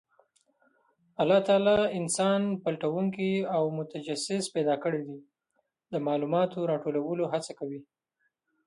الله تعالی انسان پلټونکی او متجسس پیدا کړی دی، د معلوماتو راټولولو هڅه کوي.